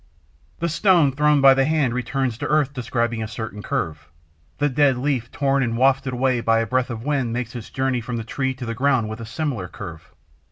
The stone thrown by the hand returns to earth describing a certain curve; the dead leaf torn and wafted away by a breath of wind makes its journey from the tree to the ground with a similar curve.